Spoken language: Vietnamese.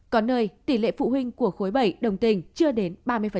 có nơi tỷ lệ phụ huynh của khối bảy đồng tình chưa đến ba mươi